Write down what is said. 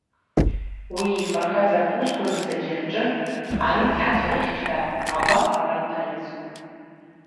Уи ифырхаҵаратә усқәа зегьы рҿы арыцҳацәа рыхьчара агәаҟра ралгара иазкуп.